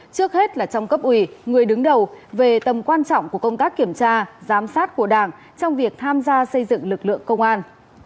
trước hết là trong cấp ủy người đứng đầu về tầm quan trọng của công tác kiểm tra giám sát của đảng trong việc tham gia xây dựng lực lượng công an